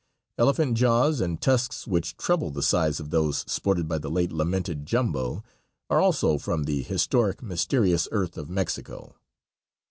Elephant jaws and tusks which treble the size of those sported by the late lamented Jumbo are also from the historic, mysterious earth of Mexico.